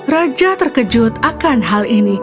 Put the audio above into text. raja terkejut akan hal ini